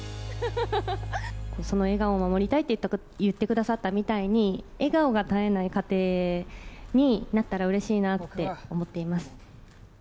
その笑顔を守りたいって言ってくださったみたいに、笑顔が絶えない家庭になったらうれしいなって思っています。